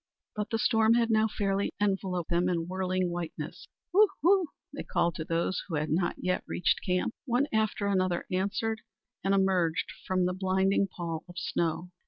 But the storm had now fairly enveloped them in whirling whiteness. "Woo, woo!" they called to those who had not yet reached camp. One after another answered and emerged from the blinding pall of snow.